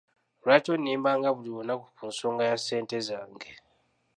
Lwaki onnimbanga buli lunaku ku nsonga ya ssente zange.